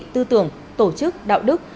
tư tưởng tổ chức đạo đức